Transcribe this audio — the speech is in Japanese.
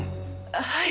はい。